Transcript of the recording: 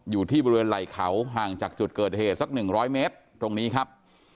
อยู่ที่บริเวณไหล่เขาห่างจากจุดเกิดเหตุสัก๑๐๐เมตรตรงนี้ครับ